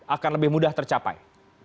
akan lebih mudah tercapai